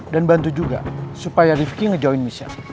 dan bantu juga supaya rifki nge join michelle